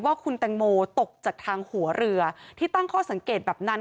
ว่าคุณแตงโมตกจากทางหัวเรือที่ตั้งข้อสังเกตแบบนั้น